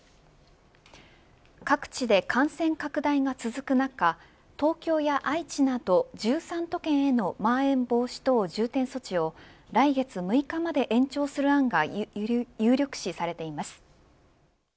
各地で感染拡大が続く中東京や愛知など１３都県へのまん延防止等重点措置を来月６日まで延長する案が有力視されています。